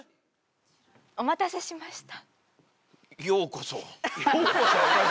お待たせしました。